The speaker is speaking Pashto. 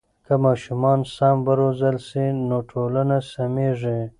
که ماشومان سم و روزل سي نو ټولنه سمیږي.